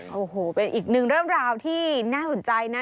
โอ้โหเป็นอีกหนึ่งเรื่องราวที่น่าสนใจนะ